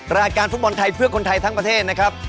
รายการฟุตบอลไทยเพื่อคนไทยทั้งประเทศนะครับ